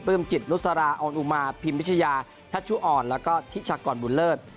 จิตนุษราออนอุมาพิมพิชยาทัชชุอ่อนแล้วก็ทิชากรบุญเลิศ